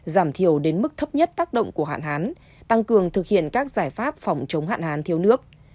giảm thiểu đến mức thấp nhất tác động của hạn hán tăng cường thực hiện các giải pháp phòng chống hạn hán thiếu nước